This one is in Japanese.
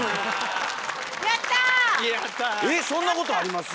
えっそんなことあります？